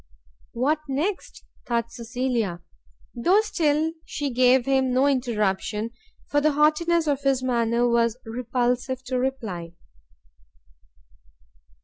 What next? thought Cecilia; though still she gave him no interruption, for the haughtiness of his manner was repulsive to reply.